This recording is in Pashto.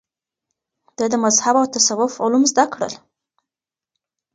ده د مذهب او تصوف علوم زده کړل